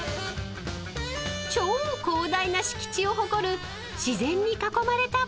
［超広大な敷地を誇る自然に囲まれた場所］